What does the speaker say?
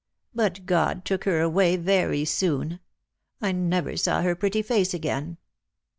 But God took her away very soon. I never saw her pretty face again.